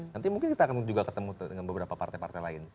nanti mungkin kita akan juga ketemu dengan beberapa partai partai lain